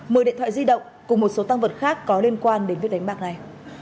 mời điện thoại di động cùng một số tăng vật khác có liên quan đến việc đánh bạc này